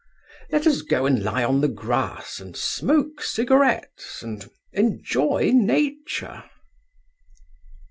Let us go and lie on the grass and smoke cigarettes and enjoy Nature.